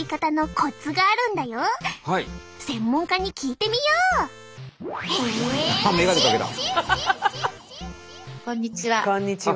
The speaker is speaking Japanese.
こんにちは。